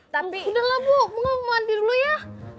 sudahlah bu bunga mau mandi dulu ya